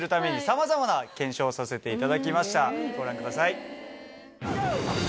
ご覧ください。